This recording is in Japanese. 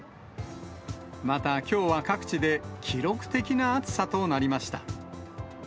またきょうは各地で、記録的な暑さとなりました。